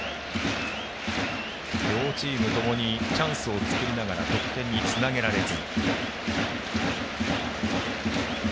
両チームともにチャンスを作りながら得点につなげられず。